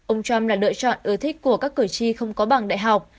ông trump là lựa chọn ưa thích của các cử tri không có bằng đại học